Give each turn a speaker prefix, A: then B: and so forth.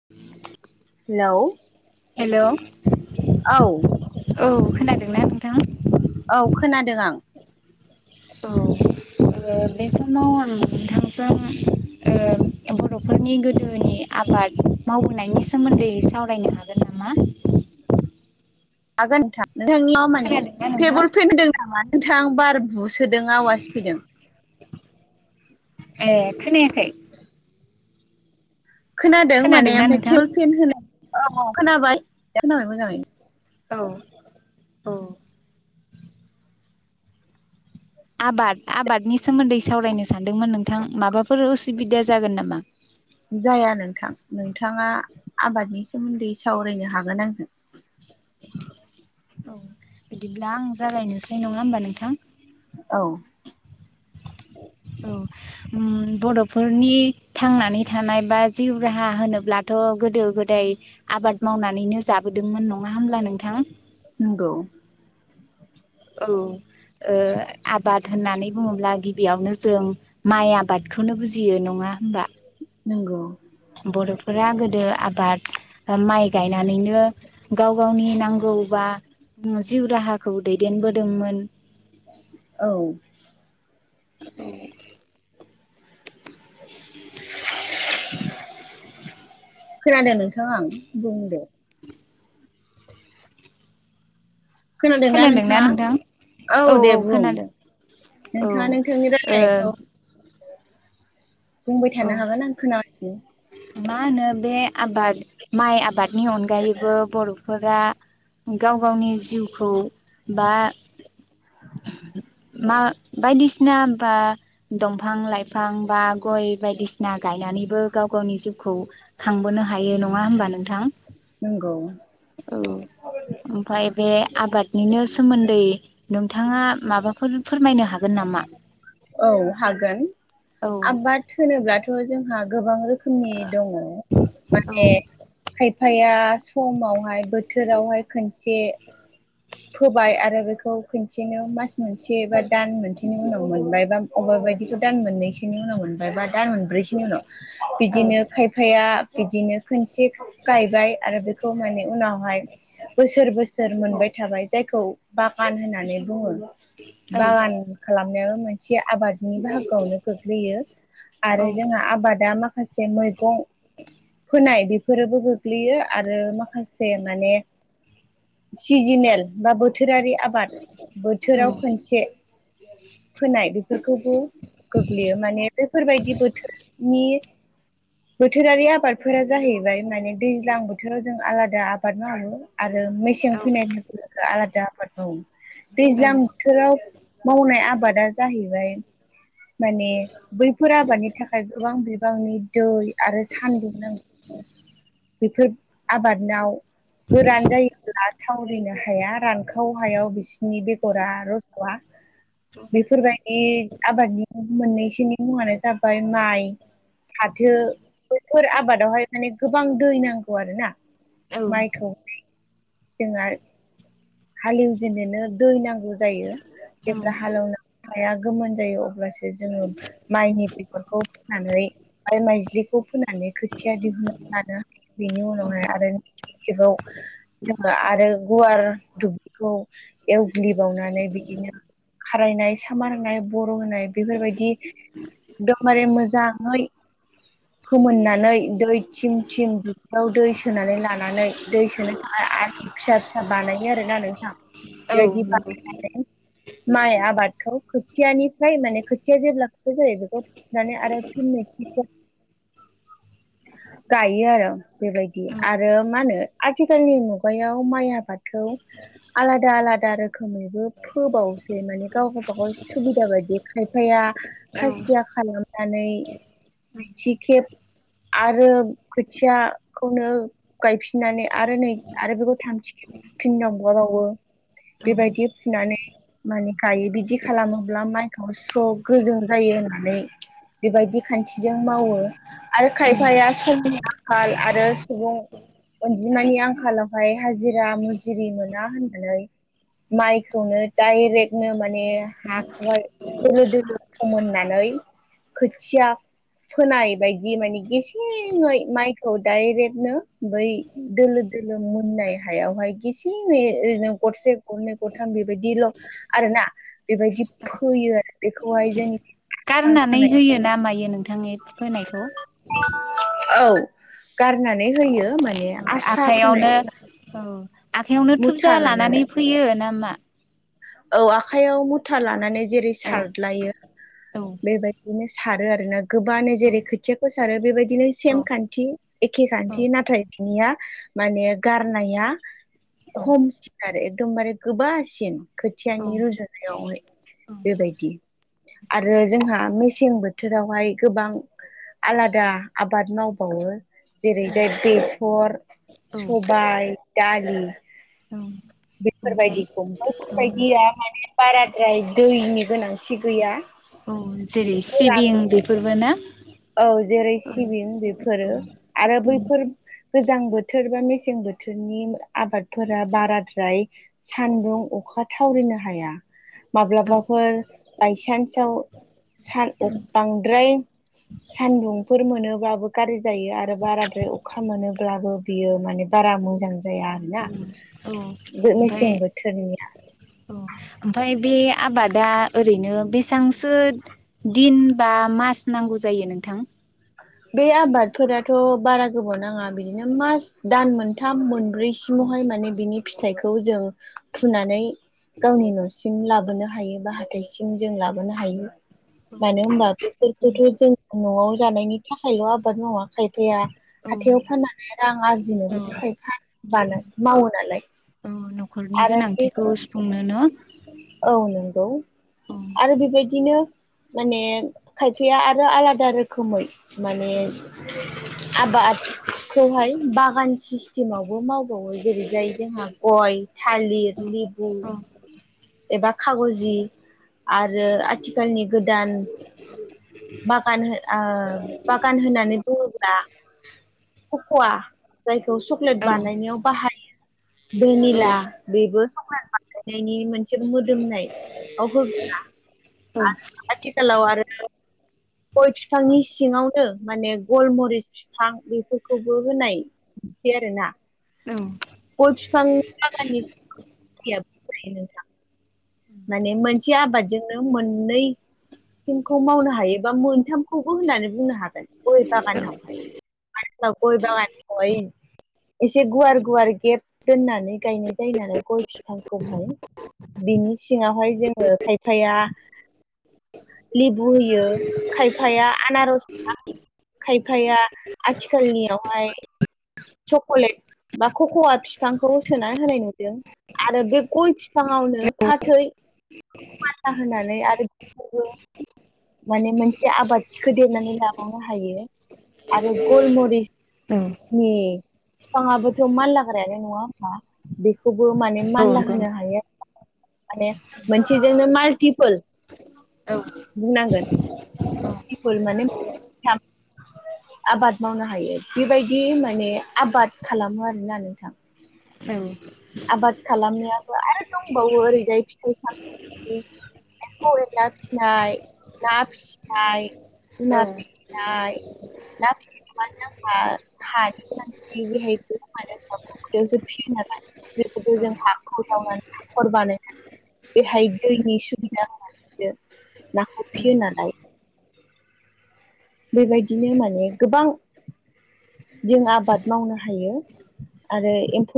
A: [unintelligible]
B: Hello
A: hello
B: औ
A: औ खोनादोंना नोंथां
B: औ खोनादों आं
A: औ ओ बे समाव आं नोंथांजों ओ बर'फोरनि गोदोनि आबाद मावबोनायनि सोमोन्दै सावरायनो हागोन नामा
B: हागोन नोंथां नोंथांनियाव माने
A: खोनादोंना नोंथां?
B: टेबोल पेन होदों नामा नोंथां बार बुसो दों आवाज फैदों
A: ए खोनायाखै
B: [inaudible] खोनादों माने
A: खोनादोंना
B: ओमफ्राय
A: नोंथां?
B: थवल पेन होनाय खोनाबाय खोनाबाय मोजाङै
A: औ औ आबाद आबादनि सोमोन्दै सावरायनो सानदोंमोन नोंथां माबाफोर उसुबिदा जागोन नामा
B: जाया नोंथां नोंथाङा आबादनि सोमोन्दै सावरायनो हागोन आंजों
A: औ बिदिब्ला आं जागायनोसै नङा होमबा नोंथां
B: औ
A: औ उम बर'फोरनि थांनानै थानाय बा जिउ राहा होनोब्लाथ' गोदो गोदाय आबाद मावनानैनो जाबोदोंमोन नङा होमब्ला नो नोंथां
B: नंगौ
A: औ ओ आबाद होननानै बुङोब्ला गिबियावनो जों माइ आबादखौनो बुजियो नङा होमबा
B: नंगौ
A: बर'फोरा गोदो आबाद माइ गायनानैनो गाव गावनि नांगौ बा जिउ राहा खौ दैदेनबोदोंमोन
B: औ
A: ए
B: खोनादों नोंथां आं बुंदो खोनादोंना नोंथाङा औ दे बुं
A: औ ओ
B: नोंथाङा नोंथांनि रायलायनायखौ बुंबाय
A: औ
B: थानो हागोन आं खोनागासिनो
A: मा होनो बे आबाद माइ आबादनि अनगायैबो बर'फोरा गाव गावनि जिउखौ बा मा बायदिसिना बा दंफां लाइफां बा गय बायदिसिना गायनानैबो गाव गावनि जिउखौ खांबोनो हायो नङा होनबा नोंथां
B: नंगौ।
A: औ ओमफ्राय बे आबादनिनो सोमोन्दै नोंथाङा माबाफोर फोरमायनो हागोन नामा?
B: औ हागोन
A: औ
B: आबाद। थोनोब्लाथ' जोंहा गोबां रोखोमनि दङ
A: औ
B: माने खायफाया समावहाय बोथोरावहाय खनसे। फोबाय आरो बेखौ खनसेनो मास मोनसे बा दान मोनसेनि उनाव मोनबाय बा। अबेबा बायदिखौ दान मोननैसोनि उनाव मोनबाय बा दान मोनब्रैसोनि उनाव
A: औ
B: बिदिनो खायफ खायफाया बिदिनो खोनसे गायबाय आरो बेखौ माने उनावहाय। बोसोर बोसोर मोनबाय। थाबाय जायखौ बागान होननानै बुङो
A: औ
B: बागान खालामनायाबो मोनसे। खायसे आबादनि बाहागोआवनो गोग्लैयो आरो जोंहा आबादा माखासे। माखासे मैगं फोनाय बेफोरोबो गोग्लैयो आरो माखासे माने सिजोनेल बा बोथोरारि आबाद
A: औ
B: बोथोराव खनसे फोनाय। खौबो गोग्लैयो माने बेफोरबादि बोथोरनि। बोथोरारि आबादफोरा जाहैबाय माने दैज्लां बोथोराव जों आलादा आबाद मावो आरो मेसेंनि
A: औ
B: फैनायखौ आलादा आबाद मावो दैज्लां बोथोराव मावनाय आबादा जाहैबाय माने बैफोर आबादनि थाखाय गोबां बिबांनि दै। आरो सान्दुं नां बेफोर आबादानाव गोरान जायोब्ला थावरिनो हाया रानखाव हायाव बिसि बिनि बेगरा रज'वा बेफोरबादि आबादनि मोननैसोनि मुङानो जाबाय माइ। फाथो बेफोर आबादावहाय माने गोबां दै नांगौ आरोना। माइखौ जोंहा हालेवजेनोनो दै नांगौ जायो जेब्ला हालेवनांगौ। हाया गोमोन जायो अब्लासो जोङो माइनि बेगरखौ फोननानै। आरो माइजलिखौ फोनानै खोथिया दिहुनना लानो बेनि
A: औ
B: उनावहाय आरो। बेखौ आरो गुवार दुब्लिखौ एवग्लिबावनानै बेदिनो खारायनाय सामार होननाय बर' होनाय बेफोरबादि एकदमबारे मोजाङै।
A: [inaudible]
B: फोमोननानै दै थिम थिम दुब्लियाव दै सोनानै लानानै दै सोनो थाखाय आरो। फिसा फिसा बानायो आरोना नोंथां
A: औ
B: बेबादि
A: नंगौ
B: बानायनानै माइ आबादखौ खोथियानिफ्राय माने खोथिया जेब्ला खोथिया जायो बेखौ [unintelligible]
A: [inaudible]
B: गायो आरो बेबायदि आरो मा होनो आथिखालनि मुगा खगायाव माइ आबादखौ आलादा आलादा रोखोमैबो फोबावसै माने गाव गाबागाव सुबिदा बायदि खायफाया
A: औ
B: खासिया खालामनानै थि खेब आरो खोथियाखौनो गायफिननानै आरो नै आरो बेखौ थामथिख फिननांबबावो बेबादि फुनानै माने गायो बिदि खालामोब्ला माइखौ स्र गोजों जायो होननानै। बेबायदि खान्थिजों मावो। आरो खायफाया समनि आंखाल आरो सुबुं अनजिमानि आंखालाव ओमफ्राय हाजिरा मुजुरिरि मोना होननानै। माइखौनो डाइरेक्टनो माने हाखर दोलो दोलो फोननानै खोथिया फोनाय बायदि माने गेसेङै माइखौ डायरेक्टनो बै दोलो दोलो जोङो मोननाय हायावहाय गेसेङै ओरैनो गरसे गरनै गरथाम बेबायदिल' आरोना बेबायदि फैयो आरो। बेखौहाय जोंनि आस्रा
A: गारनानै
B: फोनाय
A: होयो ना मायो नोंथां बे फोनायखौ
B: औ गारनानै होयो माने आस्रा फोनाय
A: आखाइयावनो आखाइयावनो थुबजा लानानै फैयो ना मा?
B: औ आखयाव मुथा लानानै जेरै
A: औ
B: सारलायो
A: औ
B: बेबायदिनो सारो आरोना गोबाङनो
A: औ
B: जेरै खोथियाखौ सारो बेबायदिनो
A: औ
B: सेम खान्थि एखे खान्थि नाथाय बिनिया माने गारनाया खमसिन आरो एकदमबारे गोबासिन। खोथियानि रुजुनायावहाय बेबायदि। आरो जोंहा मेसें बोथोरावहाय गोबां आलादा आबाद मावबावो जेरै जाय बेसर
A: औ
B: सबाय दालि
A: औ ओमफ्राय
B: बेफोरबायदिखौ। बेफोरबायदिया माने बाराद्राय दैनि गोनांथि गैया।
A: औ जेरै
B: गोरान
A: सिबिं बेफोरबो ना।
B: औ जेरै
A: औ
B: सिबिं बेफोरो आरो बैफोर गोजां बोथोर बा मेसें बोथोरनि आबादफोरा बाराद्राय सान्दुं अखा थावरिनो हाया।
A: औ
B: माब्लाबाफोर बायसेन्साव सान बांद्राय
A: [inaudible]
B: सान्दुंफोर मोनोब्लाबो गाज्रि जायो आरो बाराद्राय अखा मोनोब्लाबो बियो माने बारा मोजां जाया आरोना बे मेसें बोथोरनि
A: औ ओमफ्राय बे आबादा ओरैनो बेसेबांसो दिन बा मास नांगौ जायो नोंथां।
B: बे आबादफोराथ' बारा गोबाव नाङा बिदिनो मास दान मोन थाम मोनब्रै सिमावहाय माने बिनि फिथाइखौ जों फुनानै गावनि न'सिम लाबोनो हायो बा हाथाइसिम जों लाबोनो हायो। मानो होनबा बेफोरखौथ' जों न'आव जानायनि थाखायल' आबाद मावा खायफाया
A: औ
B: हाथायाव फाननानै रां
A: औ
B: आरजिनोबो थाखाय मावो नालाय।
A: औ न'खरनि
B: आरो बे
A: गोनांथिखौ सुफुंनो न।
B: औ नंगौ
A: औ
B: आरो बेबायदिनो माने खायफाया आरो आलादा रोखोमै माने आबादखौहाय बागान सिस्टेमावबो मावबावो जेरै जाय जोंहा गय थालिर लिबु एबा खागजि आरो आथिखालनि गोदान बागान ओ बागान होनानै बुङोब्ला पक'वा जायखौ चक्लेट
A: औ औ
B: बानायनायाव बाहायो। भेनिला बेबो सकलेट बानायनायनि मोनसे मोदोमनाय आव होग्रा आरो आथिखालाव आरो गय बिफांनि सिङावनो माने गरमुरिस फिफां बेफोरखौबो होनाय बिदि आरोना।
A: औ
B: गय बिफां बागाननि [unintelligible] माने मोनसे आबादजोंनो मोननै [unintelligible] खौ मावनो हायोबा मोनथामखौबो होननानै बुंनो हागोन गय बागानावहाय। मानो होनबा गय बागानावहाय एसे गुवार गुवार गेप दोननानै गायनाय जायो नालाय गय बिफांखौहाय। बिनि सिङावहाय जोङो खायफाया लेबु होयो खायफाया आनारस खायफाया आथिखालनियावहाय चक'लेट बा कक'वा फिफांखौ सोनानै होनाय नुदों आरो बे गय फिफाङावनो फाथै मानलाहोनानै आरो बिबो माने मोनसे आबाद थिखौदेरनानै लाबावनो हायो। आरो गलमरिचनि फिफाङाबोथ' मानलाग्रायानो नङा ओमबा बेखौबो माने मानला होनो हायो आरोना। माने मोनसेजोंनो माल्टिपोल बुंनांगोन माल्टिपोल माने आबाद मावनो हायो बेबायदि माने आबाद खालामो आरोना नोंथां।
A: औ
B: आबाद खालामनायाबो आरो दंबावो ओरैजाय फिथाइ सामथाइनि एमफौ एनला फिसिनाय, ना फिसिनाय,
A: औ
B: ना
A: औ
B: फिसिनाय, ना फि [inaudible] [unintelligible] बेखौबो‌ जों हाखर जावनानै हाखर बानायनानै बेहाय दैनि सुबिदा होनानैनो नाखौ फियोनालाय बेबायदिनो माने गोबां जों आबाद मावनो हायो आरो एमफौ